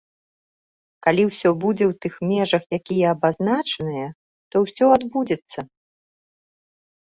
Калі ўсё будзе ў тых межах, якія абазначаныя, то ўсё адбудзецца.